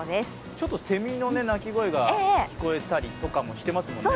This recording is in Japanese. ちょっとせみの鳴き声が聞こえたりとかもしてますもんね。